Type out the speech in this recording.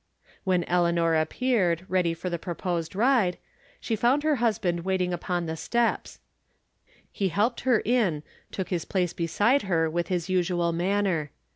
When Eleanor appeared, ready for the proposed 242 I'rom Different Standpoints. ride, she found her husband waiting upon the steps. He helped her in, took his place beside her with his usual manner.